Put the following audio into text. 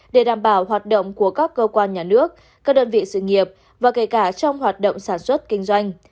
để đảm bảo hoạt động của các cơ quan nhà nước các đơn vị sự nghiệp và kể cả trong hoạt động sản xuất kinh doanh